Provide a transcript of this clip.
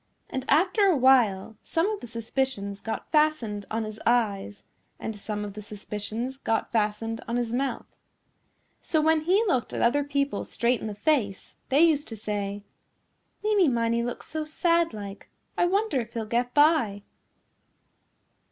And after a while some of the suspicions got fastened on his eyes and some of the suspicions got fastened on his mouth. So when he looked at other people straight in the face they used to say, "Meeny Miney looks so sad like I wonder if he'll get by."